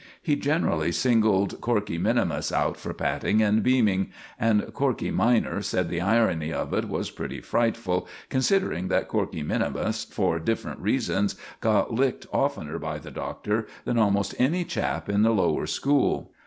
He generally singled Corkey minimus out for patting and beaming; and Corkey minor said the irony of it was pretty frightful, considering that Corkey minimus, for different reasons, got licked oftener by the Doctor than almost any chap in the Lower School.